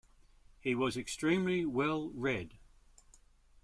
He was extremely well read.